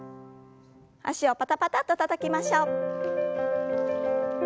脚をパタパタッとたたきましょう。